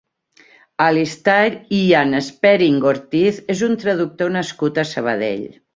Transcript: Alistair Ian Spearing Ortiz és un traductor nascut a Sabadell.